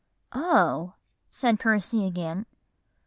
"Oh!" said Percy again.